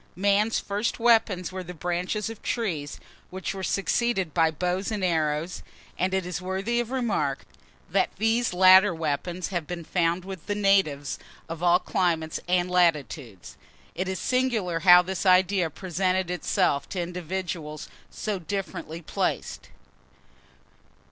Man's first weapons were the branches of trees, which were succeeded by bows and arrows, and it is worthy of remark, that these latter weapons have been found with the natives of all climates and latitudes. It is singular how this idea presented itself to individuals so differently placed.